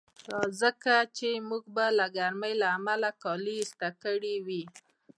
ځکه چې موږ به د ګرمۍ له امله کالي ایسته کړي وي.